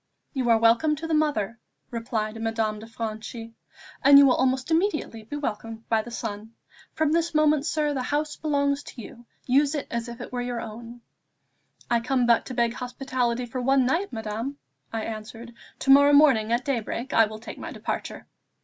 "You are welcome to the mother," replied Madame de Franchi, "and you will almost immediately be welcomed by the son. From this moment, sir, the house belongs to you; use it as if it were your own." "I come but to beg hospitality for one night, madame," I answered; "to morrow morning, at daybreak, I will take my departure."